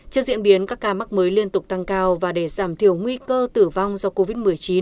trước diễn biến các ca mắc mới liên tục tăng cao và để giảm thiểu nguy cơ tử vong do covid một mươi chín